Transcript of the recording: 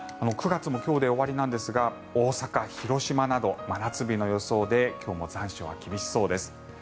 ９月も今日で終わりなんですが大阪、広島など真夏日の予想で今日も残暑は厳しそうです。